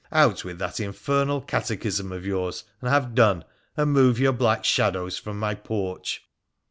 Out with that infernal catechism of yours, and have done, and move your black shadows from my porch.'